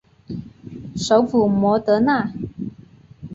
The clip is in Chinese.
首府摩德纳。